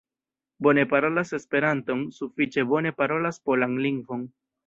Bone parolas esperanton, sufiĉe bone parolas polan lingvon.